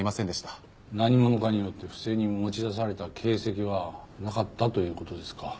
何者かによって不正に持ち出された形跡はなかったという事ですか。